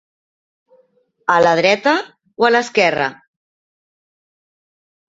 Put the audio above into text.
A la dreta o a l'esquerra?